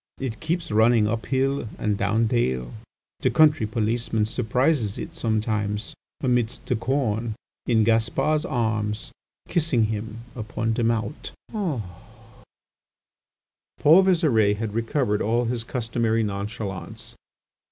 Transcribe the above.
It keeps running up hill and down dale; the country policeman surprises it sometimes, amidst the corn, in Gaspar's arms kissing him upon the mouth." Paul Visire had recovered all his customary nonchalance.